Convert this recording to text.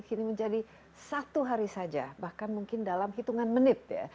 kini menjadi satu hari saja bahkan mungkin dalam hitungan menit ya